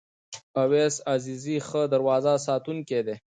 اویس عزیزی ښه دروازه ساتونکی دی.